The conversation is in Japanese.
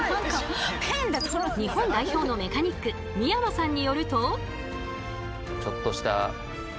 日本代表のメカニック三山さんによると。